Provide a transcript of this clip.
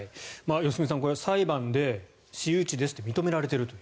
良純さんこれは裁判で、私有地ですと認められていると。